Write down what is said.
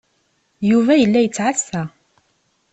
Yuba yella yettɛassa.